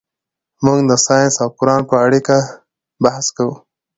موږ د ساینس او قرآن په اړیکه بحث کوو.